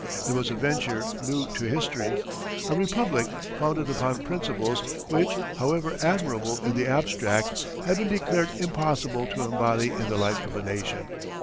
It was a venture new to history; a Republic founded upon principles which, however admirable in the abstract, had been declared impossible to embody in the life of a nation.